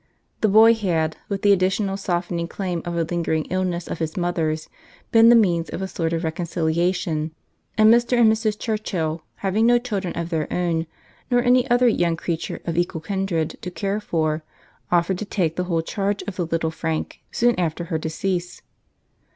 The boy had, with the additional softening claim of a lingering illness of his mother's, been the means of a sort of reconciliation; and Mr. and Mrs. Churchill, having no children of their own, nor any other young creature of equal kindred to care for, offered to take the whole charge of the little Frank soon after her decease.